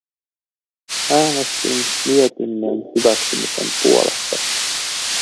Äänestin mietinnön hyväksymisen puolesta.